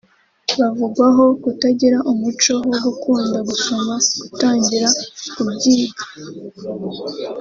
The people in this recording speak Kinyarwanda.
bavugwaho kutagira umuco wo gukunda gusoma gutangira kubyiga